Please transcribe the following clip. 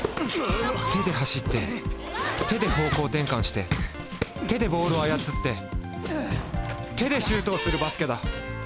手で走って手で方向転換して手でボールを操って手でシュートをするバスケだ！